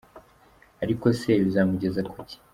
Ariko se bizamugeza ku kiÂ ?